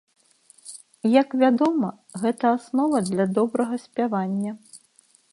Як вядома, гэта аснова для добрага спявання.